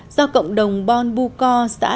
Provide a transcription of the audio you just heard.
do cộng đồng bon bucor xã